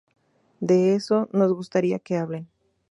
De eso nos gustaría que hablen.